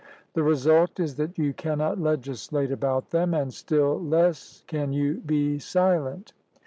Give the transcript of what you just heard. The result is that you cannot legislate about them, and still less can you be silent.